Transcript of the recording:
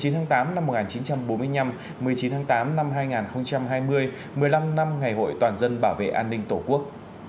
một mươi tháng tám năm một nghìn chín trăm bốn mươi năm một mươi chín tháng tám năm hai nghìn hai mươi một mươi năm năm ngày hội toàn dân bảo vệ an ninh tổ quốc